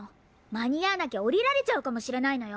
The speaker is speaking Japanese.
まにあわなきゃおりられちゃうかもしれないのよ。